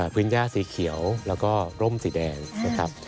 พื้นย่าสีเขียวแล้วก็ร่มสีแดงนะครับ